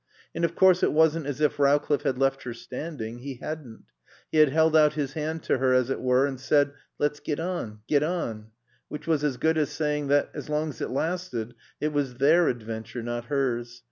And of course it wasn't as if Rowcliffe had left her standing. He hadn't. He had held out his hand to her, as it were, and said, "Let's get on get on!" which was as good as saying that, as long as it lasted, it was their adventure, not hers.